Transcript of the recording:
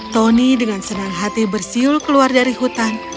tony dengan senang hati bersiul keluar dari hutan